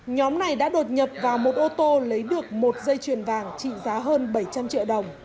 nhóm này đã đột nhập vào một ô tô lấy được một dây chuyền vàng trị giá hơn bảy trăm linh triệu đồng